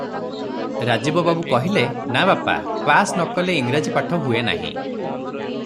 ରାଜୀବ ବାବୁ କହିଲେ, "ନା ବାପା, ପାସ ନ କଲେ ଇଂରାଜୀ ପାଠ ହୁଏ ନାହିଁ ।"